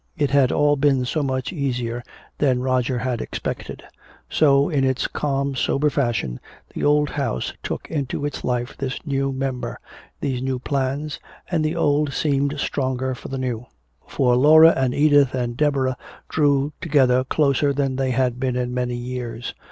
It had all been so much easier than Roger had expected. So, in its calm sober fashion, the old house took into its life this new member, these new plans, and the old seemed stronger for the new for Laura and Edith and Deborah drew together closer than they had been in many years.